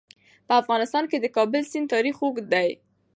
په افغانستان کې د د کابل سیند تاریخ اوږد دی.